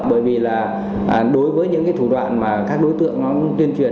bởi vì là đối với những cái thủ đoạn mà các đối tượng nó tuyên truyền